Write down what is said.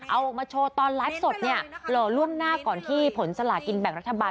เอาออกมาโชว์ตอนไลฟ์สดเนี่ยหล่อล่วงหน้าก่อนที่ผลสลากินแบ่งรัฐบาล